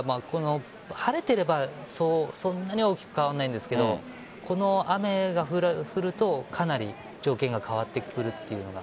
晴れていればそんなには大きく変わらないんですけど雨が降ると、かなり条件が変わってくるというのが。